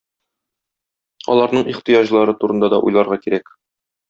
Аларның ихтыяҗлары турында да уйларга кирәк.